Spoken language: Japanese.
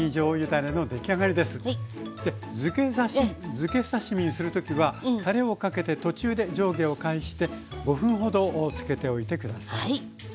づけ刺身にする時はたれをかけて途中で上下を返して５分ほどつけておいて下さい。